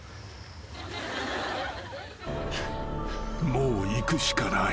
［もういくしかない］